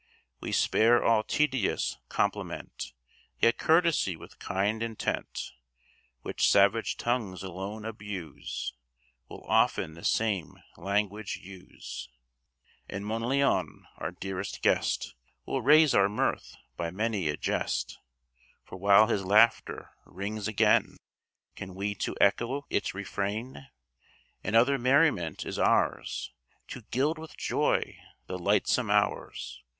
We spare all tedious compliment; Yet courtesy with kind intent, Which savage tongues alone abuse, Will often the same language use. And Monleon, our dearest guest, Will raise our mirth by many a jest; For while his laughter rings again, Can we to echo it refrain? And other merriment is ours, To gild with joy the lightsome hours.